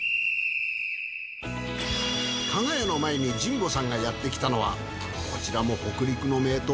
加賀屋の前に神保さんがやってきたのはこちらも北陸の名湯